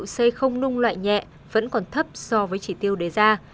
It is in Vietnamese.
vật liệu xây không nung loại nhẹ vẫn còn thấp so với chỉ tiêu đề ra